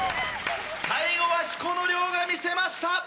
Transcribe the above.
最後は彦野遼が見せました。